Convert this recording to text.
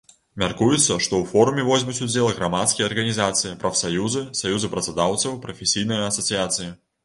Мяркуецца, што ў форуме возьмуць удзел грамадскія арганізацыі, прафсаюзы, саюзы працадаўцаў, прафесійныя асацыяцыі.